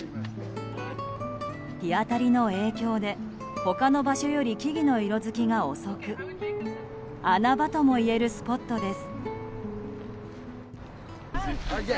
日当たりの影響で他の場所より木々の色づきが遅く穴場ともいえるスポットです。